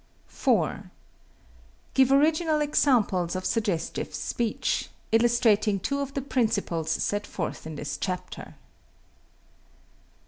4. Give original examples of suggestive speech, illustrating two of the principles set forth in this chapter.